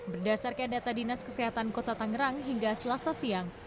berdasarkan data dinas kesehatan kota tangerang hingga selasa siang